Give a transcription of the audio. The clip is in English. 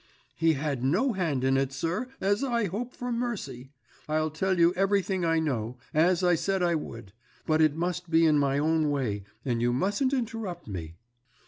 "He had no hand in it, sir, as I hope for mercy! I'll tell you everything I know, as I said I would; but it must be in my own way, and you mustn't interrupt me."